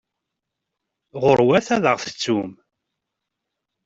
Ɣuṛwet ad aɣ-tettum!